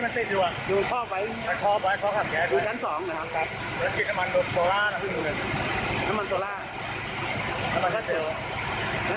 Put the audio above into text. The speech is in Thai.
ในห้องล่างก็มีเหรอ